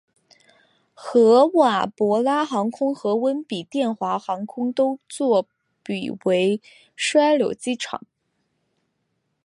合瓦博拉航空和温比殿华航空都作比为枢纽机场。